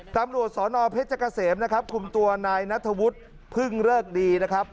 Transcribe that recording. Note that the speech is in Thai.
ตำรวจสนเพชรเกษมนะครับคุมตัวนายนัทวุฒิพึ่งเริกดีนะครับ